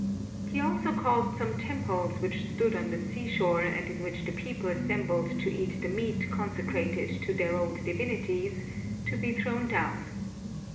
He also caused some temples which stood on the sea shore, and in which the people assembled to eat the meat consecrated to their old divinities, to be thrown down.